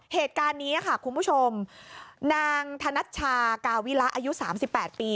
เหตุการณ์นี้ค่ะคุณผู้ชมนางธนัชชากาวิระอายุ๓๘ปี